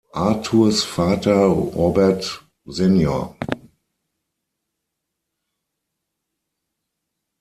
Arthurs Vater Robert sen.